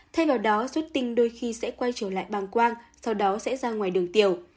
thay vào đó xuất tinh đôi khi sẽ quay trở lại bàng quang sau đó sẽ ra ngoài đường tiểu